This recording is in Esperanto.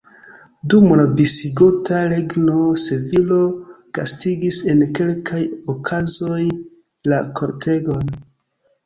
Dum la visigota regno Sevilo gastigis en kelkaj okazoj la kortegon.